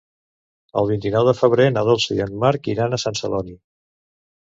El vint-i-nou de febrer na Dolça i en Marc iran a Sant Celoni.